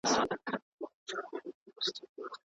د هغې شونډې له خپګان څخه ورټولې شوې.